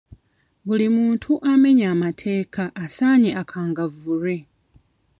Buli muntu amenya amateeka asaanye akangavvulwe.